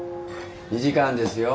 ２時間ですよ。